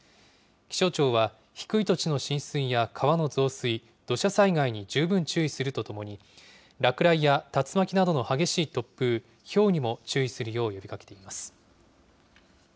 気象庁は低い土地の浸水や川の増水、土砂災害に十分注意するとともに、落雷や竜巻などの激しい突風、ひょうにも注意するよう呼びかけています。